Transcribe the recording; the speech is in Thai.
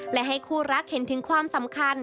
และให้คู่รักเห็นถึงความสำคัญ